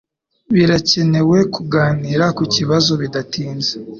Birakenewe kuganira kukibazo bidatinze